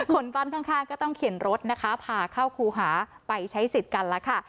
คนก้อนข้างก็ต้องเขียนรถนะคะพาเข้าครูหาไปใช้สิทธิ์กันแล้วค่ะ